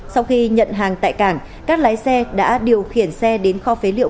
sau khi nhận hàng tại cảng các lái xe đã điều khiển xe đến kho phế liệu